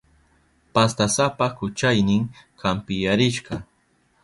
Pastasapa kuchaynin kampiyarishka.